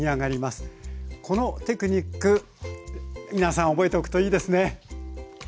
このテクニック皆さん覚えておくといいですね！